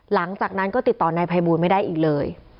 หลังจากนั้นก็ติดต่อนายภัยบูลไม่ได้อีกเลย